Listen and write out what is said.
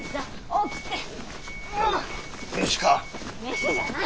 飯じゃない！